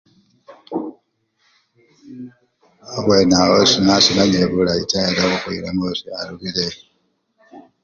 Abwenawo senasimanyile bulayi taa kane hwilemo shalobile